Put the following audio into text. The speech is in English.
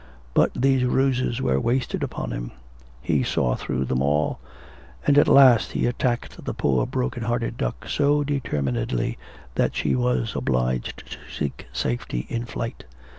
But these ruses were wasted upon him; he saw through them all, and at last he attacked the poor broken hearted duck so determinedly that she was obliged to seek safety in flight.